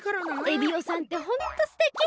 エビオさんってホントすてき！